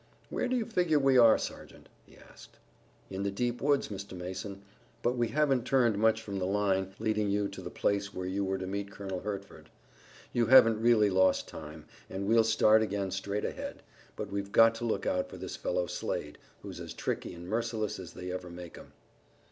"Where do you figure we are, Sergeant?" he asked. "In the deep woods, Mr. Mason, but we haven't turned much from the line leading you to the place where you were to meet Colonel Hertford. You haven't really lost time, and we'll start again straight ahead, but we've got to look out for this fellow Slade, who's as tricky and merciless as they ever make 'em."